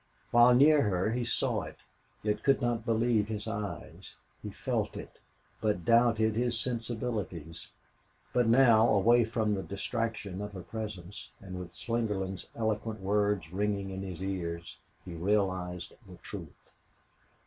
While near her he saw it, yet could not believe his eyes; he felt it, but doubted his sensibilities. But now, away from the distraction of her presence and with Slingerland's eloquent words ringing in his ears, he realized the truth.